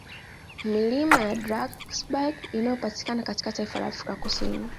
Milima ya Drankesberg Inayopatikana katika taifa la Afrika Kusini